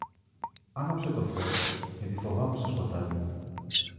Άναψε το φως, γιατί φοβάμαι στο σκοτάδι.